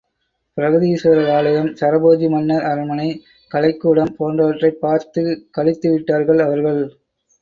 பிரகதீஸ்வரர் ஆலயம், சரபோஜி மன்னர் அரண்மனை, கலைக்கூடம் போன்றவற்றைப் பார்த்துக் களித்துவிட்டார்கள் அவர்கள்.